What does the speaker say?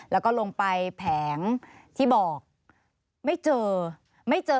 แล้วก็ลงไปแผงที่บอกไม่เจอ